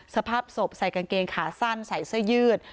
สภาพศพใส่กางเกงขาสั้นใส่เสื้อยืด